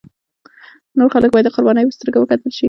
نور خلک باید د قربانیانو په سترګه وکتل شي.